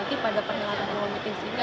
nanti pada pernyataan annual meeting ini